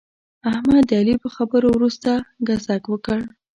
احمد د علي په خبرو ورسته ګذک وکړ.